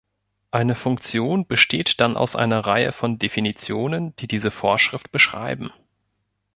Eine Funktion besteht dann aus einer Reihe von Definitionen, die diese Vorschrift beschreiben.